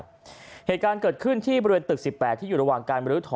กันไปเหตุการเกิดขึ้นที่บริเวณตึก๑๘ที่อยู่ระหว่างการบริษัท